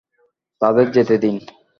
তাদের যেতে দিন।